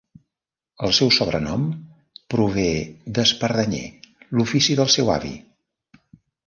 El seu sobrenom prové d'espardenyer, l'ofici del seu avi.